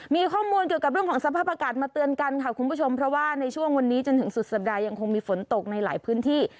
มีข้อมูลเกี่ยวกับเรื่องของสภาพอากาศมาเตือนกันค่ะคุณผู้ชมเพราะว่าในช่วงวันนี้จนถึงสุดสัปดาห์ยังคงมีฝนตกในหลายพื้นที่